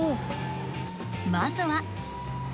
まずは。